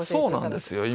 そうなんですよ。